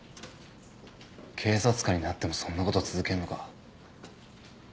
警察官になってもそんなこと続けるのか？